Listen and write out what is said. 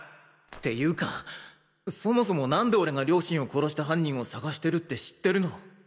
っていうかそもそもなんで俺が両親を殺した犯人を捜してるって知ってるの？